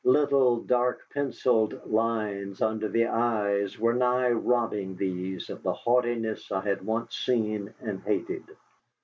Little, dark pencilled lines under the eyes were nigh robbing these of the haughtiness I had once seen and hated.